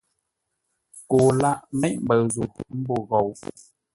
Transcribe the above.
Koo o lâʼ méʼ mbəʉ zô ḿbô ghou!